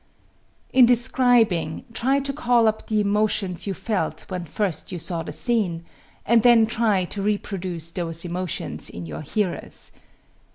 In describing, try to call up the emotions you felt when first you saw the scene, and then try to reproduce those emotions in your hearers.